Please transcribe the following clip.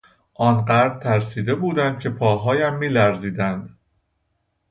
آن قدر ترسیده بودم که پاهایم میلرزیدند.